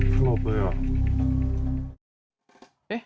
สลบเลยเหรอ